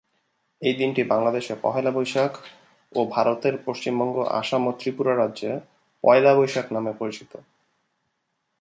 এই দিনটি বাংলাদেশে "পহেলা বৈশাখ" ও ভারতের পশ্চিমবঙ্গ, অসম ও ত্রিপুরা রাজ্যে "পয়লা বৈশাখ" নামে পরিচিত।